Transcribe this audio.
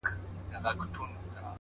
پوهه له لټون سره پیدا کېږي’